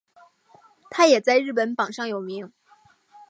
它也在日本榜上有名。